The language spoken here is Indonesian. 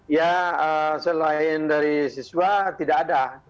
ya selain dari siswa tidak ada